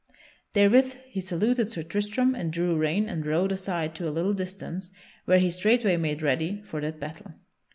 Therewith he saluted Sir Tristram and drew rein and rode aside to a little distance where he straightway made ready for that battle.